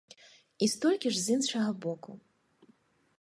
І столькі ж з іншага боку.